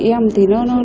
em thì nó